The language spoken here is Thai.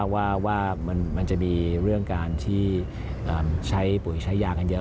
ว่ามันจะมีเรื่องการที่ใช้ปุ๋ยใช้ยากันเยอะ